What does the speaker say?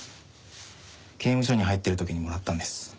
刑務所に入ってる時にもらったんです。